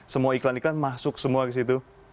semua iklan iklan masuk semua ke situ